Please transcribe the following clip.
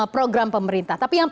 program pemerintah tapi yang